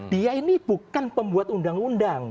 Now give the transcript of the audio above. dia ini bukan pembuat undang undang